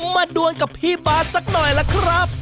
มาด้วยกับพี่บ้าซักหน่อยล่ะครับ